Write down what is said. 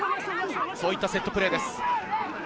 そういったセットプレーです。